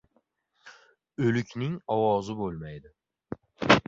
• O‘likning ovozi bo‘lmaydi.